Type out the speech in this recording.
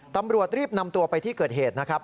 ตำรวจรีบนำตัวไปที่เกิดเหตุนะครับ